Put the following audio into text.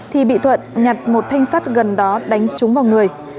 thì bị thuận nhặt một thanh sắt gần đó đánh trúng vào người